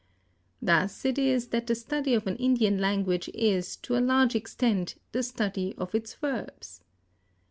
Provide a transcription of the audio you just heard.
Thus it is that the study of an Indian language is, to a large extent, the study of its verbs.